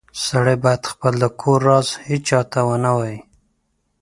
سړی باید خپل د کور راز هیچاته و نه وایې